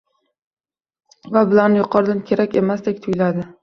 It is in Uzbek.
Va bu yuqoridan kerak emasdek tuyuladi